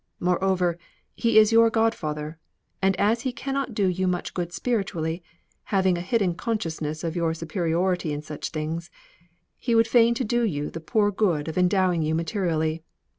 Moreover, he is your godfather; and as he cannot do you much good spiritually, having a hidden consciousness of your superiority in such things, he would fain do you the poor good of endowing you materially.